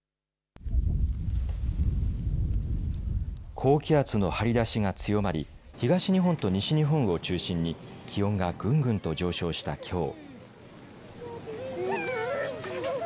高気圧の張り出しが強まり東日本と西日本を中心に気温がぐんぐんと上昇したきょう。